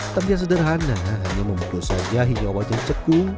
tapi yang sederhana hanya memukul saja hijau wajan cekung